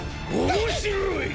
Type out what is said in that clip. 面白い！